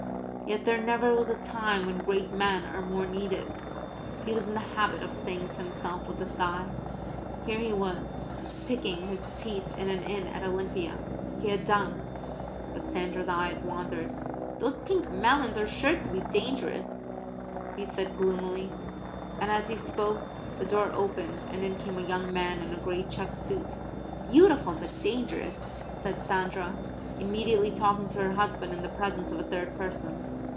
"Yet there never was a time when great men are more needed," he was in the habit of saying to himself, with a sigh. Here he was picking his teeth in an inn at Olympia. He had done. But Sandra's eyes wandered. "Those pink melons are sure to be dangerous," he said gloomily. And as he spoke the door opened and in came a young man in a grey check suit. "Beautiful but dangerous," said Sandra, immediately talking to her husband in the presence of a third person.